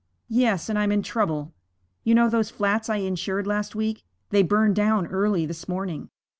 'Yes, and I'm in trouble. You know those flats I insured last week they burned down early this morning.